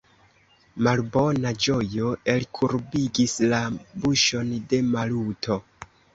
Malbona ĝojo elkurbigis la buŝon de Maluto.